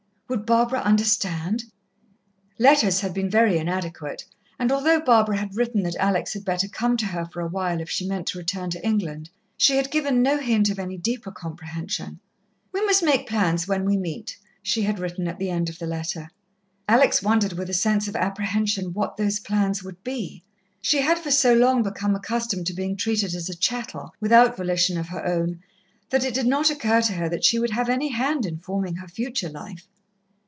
Would Barbara understand? Letters had been very inadequate, and although Barbara had written that Alex had better come to her for a while if she meant to return to England, she had given no hint of any deeper comprehension. "We must make plans when we meet," she had written at the end of the letter. Alex wondered with a sense of apprehension what those plans would be. She had for so long become accustomed to being treated as a chattel, without volition of her own, that it did not occur to her that she would have any hand in forming her future life.